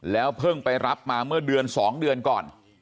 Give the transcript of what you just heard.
เพิ่งไปรับมาเมื่อเดือน๒เดือนก่อน